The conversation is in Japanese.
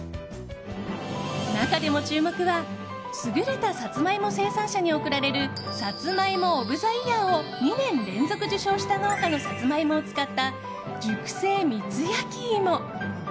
中でも注目は優れたサツマイモ生産者に贈られるさつまいも・オブ・ザ・イヤーを２年連続受賞した農家のサツマイモを使った熟成蜜やきいも。